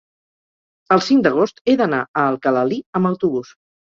El cinc d'agost he d'anar a Alcalalí amb autobús.